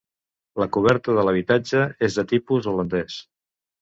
La coberta de l'habitatge és de tipus holandès.